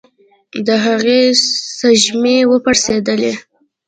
د هغې سږمې وپړسېدلې.